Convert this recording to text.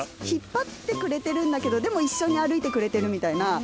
引っ張ってくれてるんだけどでも一緒に歩いてくれてるみたいな。